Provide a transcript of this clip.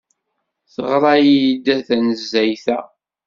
Teɣra-iyi-d tanezzayt-a.